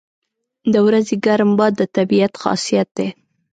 • د ورځې ګرم باد د طبیعت خاصیت دی.